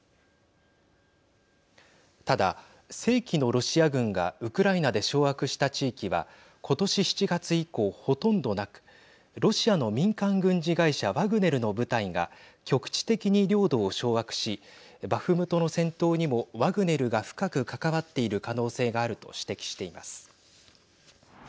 ただ、正規のロシア軍がウクライナで掌握した地域は今年７月以降ほとんどなくロシアの民間軍事会社ワグネルの部隊が局地的に領土を掌握しバフムトの戦闘にもワグネルが深く関わっている可能性があると指摘しています。